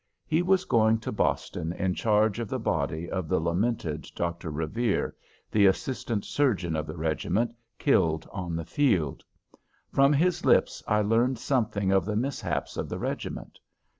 He was going to Boston in charge of the body of the lamented Dr. Revere, the Assistant Surgeon of the regiment, killed on the field. From his lips I learned something of the mishaps of the regiment.